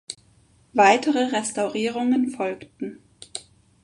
Weitere Restaurierungen folgten.